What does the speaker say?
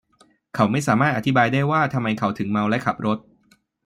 เขาไม่สามารถอธิบายได้ว่าทำไมเขาถึงเมาและขับรถ